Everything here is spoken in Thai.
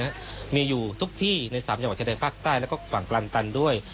และมีอยู่ทุกที่ในสามจังหวัดชายแดนภาคใต้แล้วก็ฝั่งกลันตันด้วย